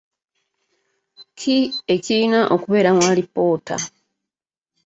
Ki ekirina okubeera mu alipoota?